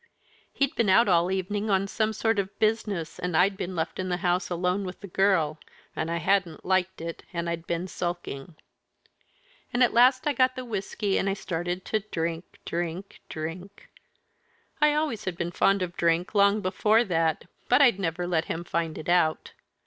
He'd been out all the evening on some sort of business, and I'd been left in the house alone with the girl, and I hadn't liked it, and I'd been sulking. And at last I got to the whisky and I started to drink, drink, drink. I always had been fond of drink long before that, but I'd never let him find it out.